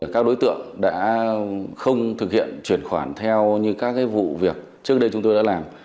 các đối tượng đã không thực hiện chuyển khoản theo như các vụ việc trước đây chúng tôi đã làm